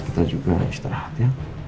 kita juga istirahat ya